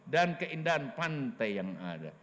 dan keindahan pantai yang ada